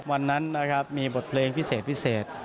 วันนั้นนะครับมีบทเพลงพิเศษพิเศษ